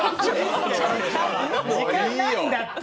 時間ないんだって！